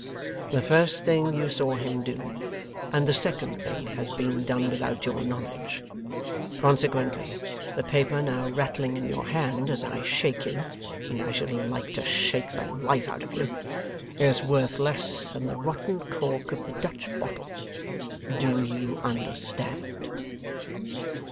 The first thing you saw him do, and the second thing has been done without your knowledge. Consequently, the paper now rattling in your hand as I shake you and I should like to shake the life out of you is worth less than the rotten cork of the Dutch bottle, do you understand?